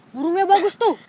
burungnya bagus tuh